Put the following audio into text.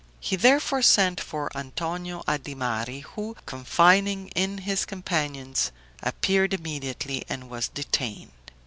He therefore sent for Antonio Adimari, who, confiding in his companions, appeared immediately, and was detained.